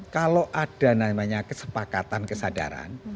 kalau ada namanya kesepakatan kesadaran